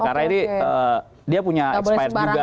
karena ini dia punya expired juga